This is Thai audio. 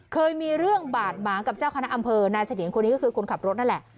เคยมีเรื่องบาดหมางกับเจ้าคณะอำเภอนายเสถียรคนนี้ก็คือคนขับรถนั่นแหละ